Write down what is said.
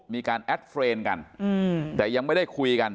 มีการแอดเฟรนด์กันแต่ยังไม่ได้คุยกัน